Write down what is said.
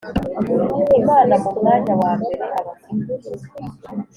Imana mu mwanya wa mbere Abafilipi